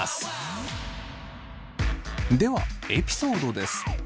ではエピソードです。